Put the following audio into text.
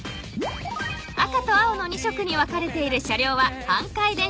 ［赤と青の２色に分かれている車両は］